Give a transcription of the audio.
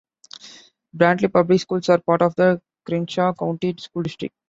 Brantley Public Schools are part of the Crenshaw County School District.